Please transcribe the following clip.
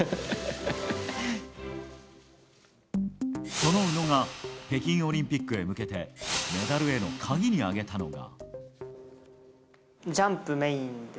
その宇野が北京オリンピックへ向けてメダルへの鍵に挙げたのは。